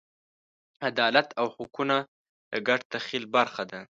عدالت او حقونه د ګډ تخیل برخه ده.